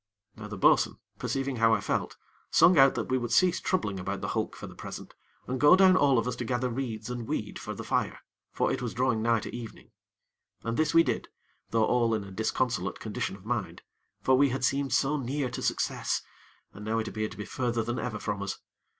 Now the bo'sun, perceiving how I felt, sung out that we would cease troubling about the hulk for the present, and go down all of us to gather reeds and weed for the fire; for it was drawing nigh to evening. And this we did, though all in a disconsolate condition of mind; for we had seemed so near to success, and now it appeared to be further than ever from us.